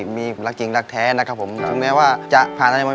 ไม่อยากไปจากโลกนี้